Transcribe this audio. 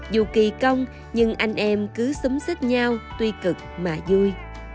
dù kỳ công nhưng anh em cứ xúm xích nhau tuy cực mà vui